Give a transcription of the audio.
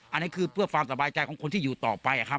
อันนี้คือเพื่อความสบายใจของคนที่อยู่ต่อไปครับ